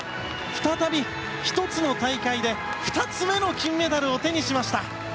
再び１つの大会で２つ目の金メダルを手にしました。